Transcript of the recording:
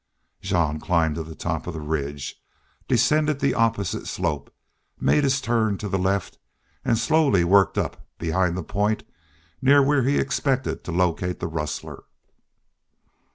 Jean climbed to the top of the ridge, descended the opposite slope, made his turn to the left, and slowly worked up behind the point near where he expected to locate the rustler.